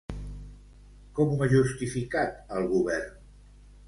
Com ho ha justificat el govern?